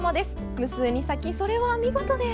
無数に咲きそれは見事です。